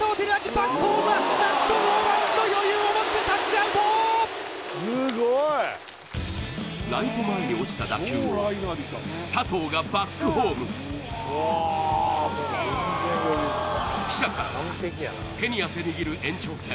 バックホーム何と余裕をもってタッチアウトライト前に落ちた打球を佐藤がバックホーム記者からは「手に汗握る延長戦」